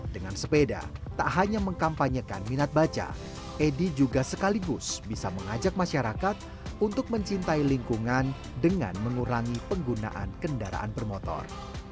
dengan sepeda tak hanya mengkampanyekan minat baca edy juga sekaligus bisa mengajak masyarakat untuk mencintai lingkungan dengan mengurangi penggunaan kendaraan bermotor